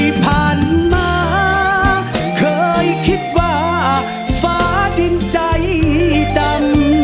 ที่ผ่านมาเคยคิดว่าฟ้าดินใจดำ